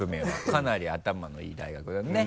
かなり頭のいい大学だよね？